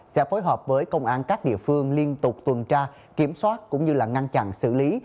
sẽ phối hợp với công an các địa phương liên tục tuần tra kiểm soát cũng như là ngăn chặn xử lý